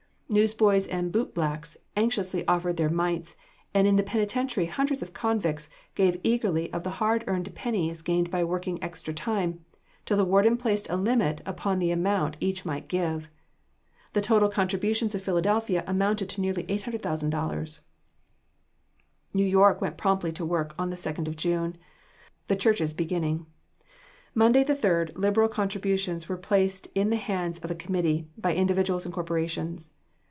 Newsboys and bootblacks anxiously offered their mites; and in the penitentiary hundreds of convicts gave eagerly of the hard earned pennies gained by working extra time, till the warden placed a limit upon the amount each might give. The total contributions of Philadelphia amounted to nearly $800,000. New York went promptly to work on the 2nd of June. The churches beginning. Monday, the 3d, liberal contributions were placed in the hands of a committee, by individuals and corporations.